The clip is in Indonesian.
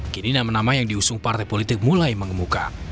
kini nama nama yang diusung partai politik mulai mengemuka